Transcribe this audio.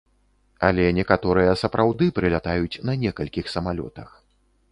Але некаторыя сапраўды прылятаюць на некалькіх самалётах.